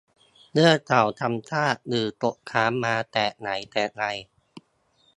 เรื่องเก่าซ้ำซาก หรือติดค้างมาแต่ไหนแต่ไร